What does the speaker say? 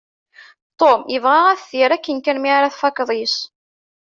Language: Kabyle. Tom yebɣa ad t-yerr akken kan mi ara tfakkeḍ yess.